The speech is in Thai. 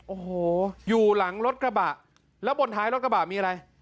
โอ้โหอยู่หลังรถกระบะแล้วบนท้ายรถกระบะมีอะไร